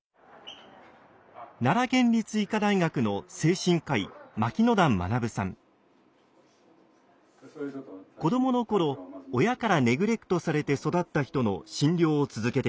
奈良県立医科大学の精神科医子どもの頃親からネグレクトされて育った人の診療を続けてきました。